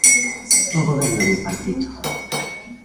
O Goberno bipartito.